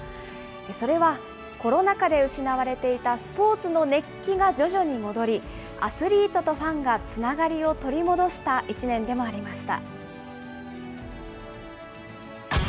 それはコロナ禍で失われていたスポーツの熱気が徐々に戻り、アスリートとファンがつながりを取り戻した１年でもありました。